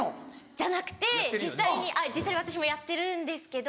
じゃなくて実際に私もやってるんですけど。